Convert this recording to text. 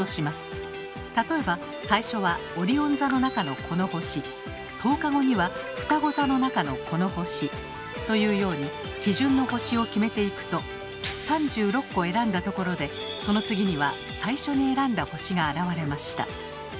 例えば最初はオリオン座の中のこの星１０日後にはふたご座の中のこの星というように基準の星を決めていくと３６個選んだところでその次には最初に選んだ星が現れました。